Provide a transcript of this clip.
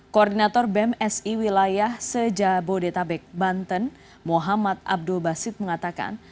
koordinator bem si wilayah seja bodetabek banten muhammad abdul basit mengatakan